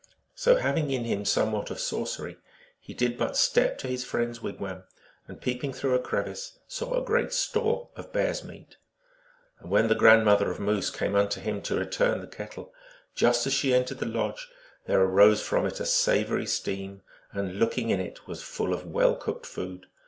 So having in him somewhat of sorcery, he did but step to his friend s wigwam, and, peeping through a crevice, saw a great store of bear s meat. And when the grandmother of Moose came unto him to return the kettle, just as she entered the lodge there arose from it a savory steam, and look ing in it was full of well cooked food.